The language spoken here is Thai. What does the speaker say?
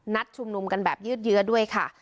ชุมนุมกันแบบยืดเยื้อด้วยค่ะ